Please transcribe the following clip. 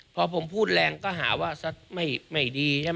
พอผมพูดแรงก็หาว่าสักไม่ดีใช่ไหม